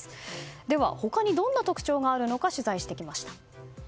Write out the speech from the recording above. では他にどんな特徴があるのか取材してきました。